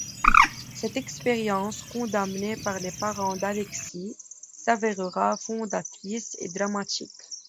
Cette expérience, condamnée par les parents d'Alexis, s'avérera fondatrice et dramatique.